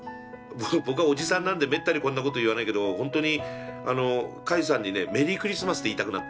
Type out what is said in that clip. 僕はおじさんなんでめったにこんなこと言わないけどほんとにカイさんにね「メリークリスマス」って言いたくなった。